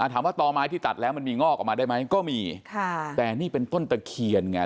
ต่อไม้ที่ตัดแล้วมันมีงอกออกมาได้ไหมก็มีค่ะแต่นี่เป็นต้นตะเคียนไง